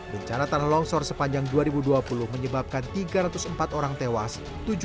bencana tanah longsor sepanjang dua ribu dua puluh menyebabkan tiga ratus empat orang tewas